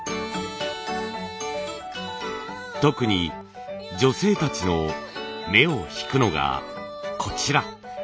特に女性たちの目を引くのがこちら。